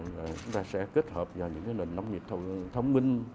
và chúng ta sẽ kết hợp vào những cái nền nông nghiệp thông minh